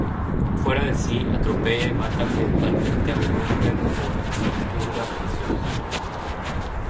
Fuera de sí, atropella y mata accidentalmente a un hombre por lo purga prisión.